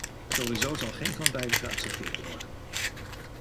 Sowieso zal geen van beide geaccepteerd worden.